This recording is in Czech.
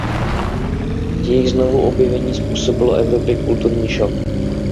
Jejich znovuobjevení způsobilo Evropě kulturní šok.